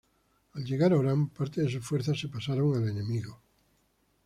Al llegar a Orán, parte de sus fuerzas se pasaron al enemigo.